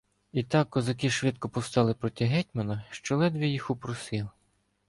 І так козаки швидко повстали проти гетьмана, що ледви їх упросив.